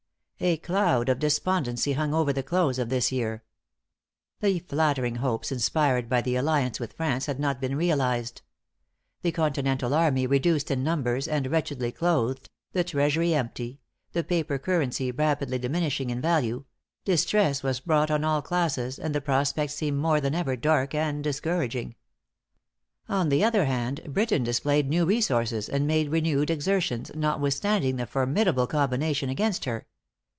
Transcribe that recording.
A cloud of despondency hung over the close of this year. The flattering hopes inspired by the alliance with France had not been realized. The continental army reduced in numbers and wretchedly clothed the treasury empty the paper currency rapidly diminishing in value distress was brought on all classes, and the prospect seemed more than ever dark and discouraging. On the other hand, Britain displayed new resources, and made renewed exertions, notwithstanding the formidable combination against her.